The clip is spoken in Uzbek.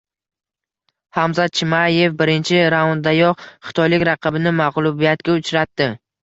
Hamzat Chimayev birinchi raunddayoq xitoylik raqibini mag‘lubiyatga uchratdi